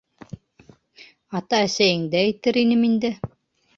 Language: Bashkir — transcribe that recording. Ата-әсәйеңде әйтер инем инде!